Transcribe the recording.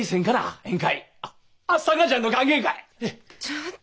ちょっと。